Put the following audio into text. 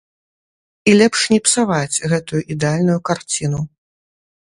І лепш не псаваць гэтую ідэальную карціну.